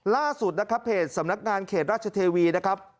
ล่าสุดนะครับเพจสำนักงานเขตราชเทวีนะครับ